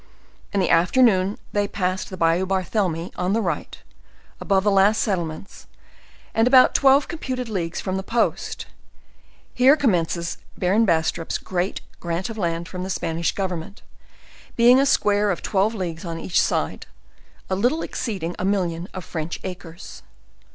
In the afternoon they passed the bayou Barthelemi on the right, a bove the last settlements, and about twelve computed leagues from the post. Here commences Baron Bastrops great grant of land from the Spanish government, being a square of twelve leagues on each side, a little exceeding a million of French acres.